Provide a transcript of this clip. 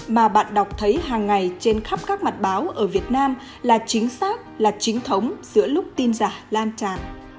mà bạn đọc thấy hàng ngày trên khắp các mặt báo ở việt nam là chính xác là chính thống giữa lúc tin giả lan tràn